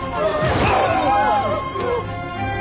ああ！